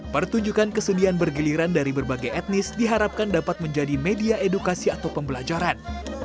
pertunjukan kesedihan bergiliran dari berbagai etnis diharapkan dapat menjadi media edukasi atau pembelajaran